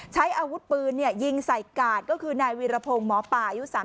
ใช้อาวุธปืนเนี้ยจิงใส่กาดก็คือใน่วีระพงย์หมอป่า